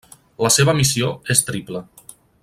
La seva missió és triple.